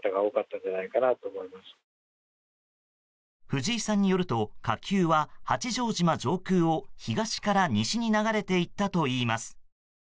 藤井さんによると火球は八丈島上空を東から西に流れていったといいます。